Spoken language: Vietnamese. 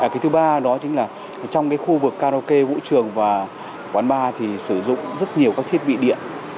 cái thứ ba đó chính là trong cái khu vực karaoke vũ trường và quán bar thì sử dụng rất nhiều các thiết bị điện